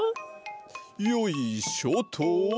よいしょと！